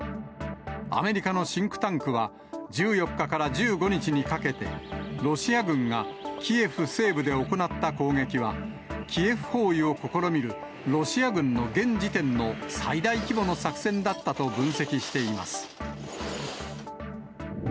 アメリカのシンクタンクは、１４日から１５日にかけて、ロシア軍がキエフ西部で行った攻撃は、キエフ包囲を試みるロシア軍の現時点の最大規模の作戦だったと分析しています。